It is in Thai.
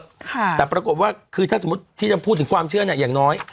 แต่ปรากฏว่าคือถ้าสมมุติที่จะพูดถึงความเชื่อเนี่ยอย่างน้อย